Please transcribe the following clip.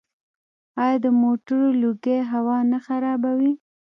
آیا د موټرو لوګی هوا نه خرابوي؟